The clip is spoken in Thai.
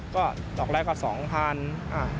ก็ต่อแรกกว่าสองพันธุ์